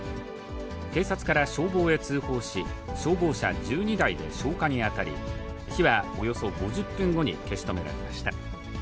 警察から消防へ通報し、消防車１２台で消火に当たり、火はおよそ５０分後に消し止められました。